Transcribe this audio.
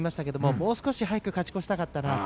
もう少し早く勝ち越したかったな。